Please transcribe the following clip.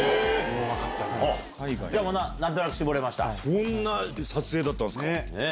そんな撮影だったんすか！